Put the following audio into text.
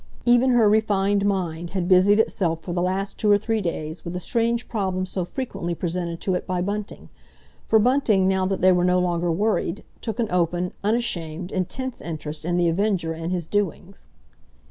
Even her refined mind had busied itself for the last two or three days with the strange problem so frequently presented to it by Bunting—for Bunting, now that they were no longer worried, took an open, unashamed, intense interest in "The Avenger" and his doings.